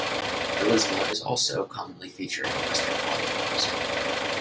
Melisma is also commonly featured in Western popular music.